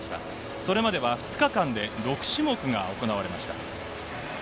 それまでは２日間で６種目が行われました。